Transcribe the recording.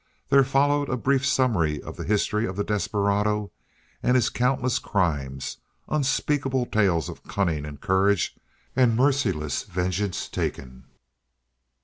There followed a brief summary of the history of the desperado and his countless crimes, unspeakable tales of cunning and courage and merciless vengeance taken.